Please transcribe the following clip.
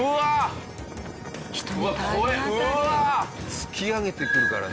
突き上げてくるからね。